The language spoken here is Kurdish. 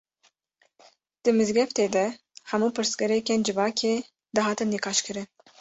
Di mizgeftê de hemû pirsgirêkên civakê, dihatin niqaş kirin